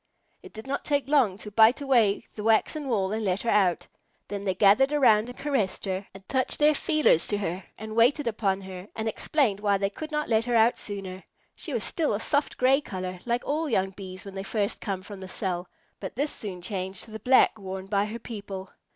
It did not take long to bite away the waxen wall and let her out. Then they gathered around and caressed her, and touched their feelers to her and waited upon her, and explained why they could not let her out sooner. She was still a soft gray color, like all young Bees when they first come from the cell, but this soon changed to the black worn by her people.